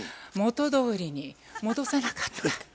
元どおりに戻さなかった。